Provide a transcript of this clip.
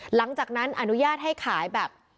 หลังจากนั้นอนุญาตให้ขายแบบ